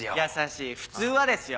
普通はですよ